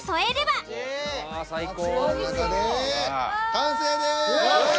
完成です！